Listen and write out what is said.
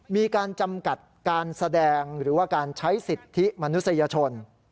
มีการจำกัดการแสดงหรือว่าการใช้สิทธิมนุษยชน